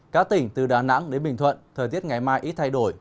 các tỉnh từ đà nẵng đến bình thuận thời tiết ngày mai ít thay đổi